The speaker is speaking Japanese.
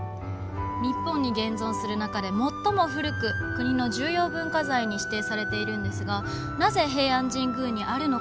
日本に現存する中で最も古く国の重要文化財に指定されているんですがなぜ、平安神宮にあるのか。